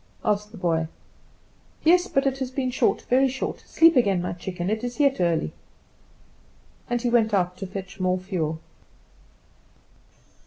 asked the boy. "Yes; but it has been short, very short. Sleep again, my chicken; it is yet early." And he went out to fetch more fuel.